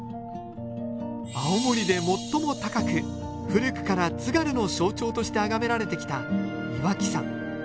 青森で最も高く古くから津軽の象徴としてあがめられてきた岩木山。